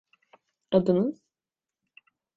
Adınız?